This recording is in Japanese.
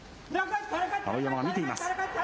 碧山が見ています。